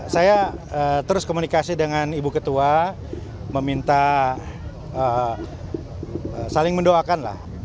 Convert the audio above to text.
saya terus komunikasi dengan ibu ketua meminta saling mendoakan lah